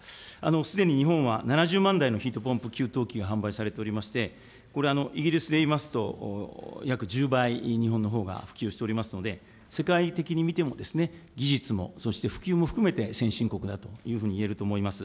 すでに日本は７０万台のヒートポンプ給湯器が販売されておりまして、これ、イギリスでいいますと、約１０倍、日本のほうが普及しておりますので、世界的に見ても、技術も、そして普及も含めて先進国だというふうにいえると思います。